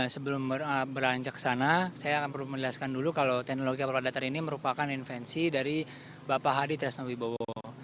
sebelum beranjak ke sana saya akan perlu menjelaskan dulu kalau teknologi para datar ini merupakan invensi dari bapak hadi tresna wibowo